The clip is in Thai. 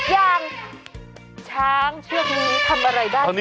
อย่างช้างเชื่อมือทำอะไรได้